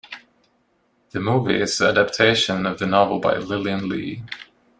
The movie is the adaptation of the novel by Lilian Lee.